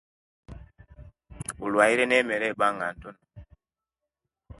Bulwaire ne emere oweba nga intono